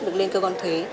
được lên cơ quan thuế